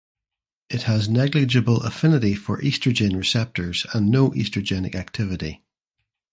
It has negligible affinity for the estrogen receptors and no estrogenic activity.